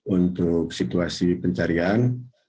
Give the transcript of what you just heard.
untuk situasi pencarian